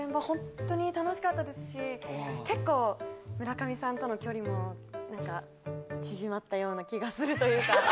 本当に楽しかったですし結構村上さんとの距離もなんか縮まったような気がするというか。